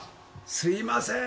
すいません。